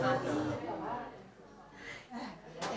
ไม่ต้องกลัวมาก